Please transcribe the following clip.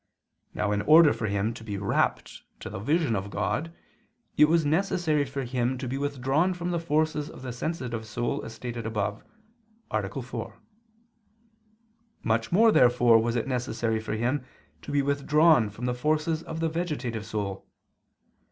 Now in order for him to be rapt to the vision of God, it was necessary for him to be withdrawn from the forces of the sensitive soul, as stated above (A. 4). Much more, therefore, was it necessary for him to be withdrawn from the forces of the vegetative soul.